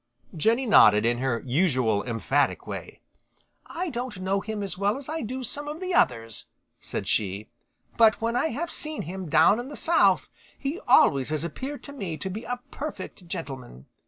Jenny nodded in her usual emphatic way. "I don't know him as well as I do some of the others," said she, "but when I have seen him down in the South he always has appeared to me to be a perfect gentleman.